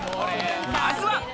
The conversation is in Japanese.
まずは。